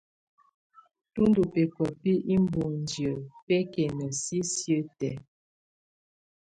Tù ndù bɛkɔ̀á bi iboŋdiǝ́ bɛkɛna sisiǝ́ tɛ̀á.